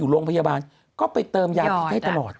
คุณหนุ่มกัญชัยได้เล่าใหญ่ใจความไปสักส่วนใหญ่แล้ว